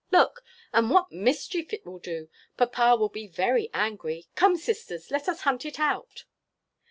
look! And what mischief it will do! Papa will be very angry. Come, sisters, let us hunt it out."